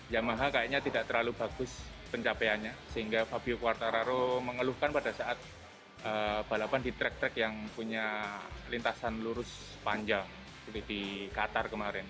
yamaha kayaknya tidak terlalu bagus pencapaiannya sehingga fabio quartararo mengeluhkan pada saat balapan di trek trek yang punya lintasan lurus panjang seperti di qatar kemarin